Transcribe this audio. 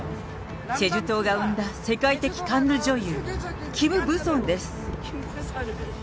チェジュ島が生んだ世界的カンヌ女優、キム・ブソンです。